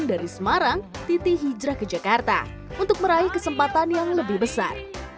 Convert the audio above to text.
dari semarang titi hijrah ke jakarta untuk meraih kesempatan yang lebih besar